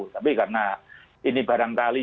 tapi karena ini barangkali